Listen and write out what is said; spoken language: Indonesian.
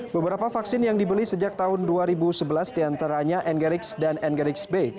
beberapa vaksin yang dibeli sejak tahun dua ribu sebelas diantaranya n gerix dan n gerix b